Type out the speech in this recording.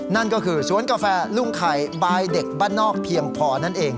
นั่นก็คือสวนกาแฟลุงไข่บายเด็กบ้านนอกเพียงพอนั่นเอง